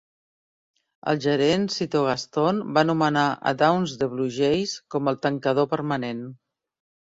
El gerent Cito Gastón va nomenar a Downs the Blue Jays com el tancador permanent.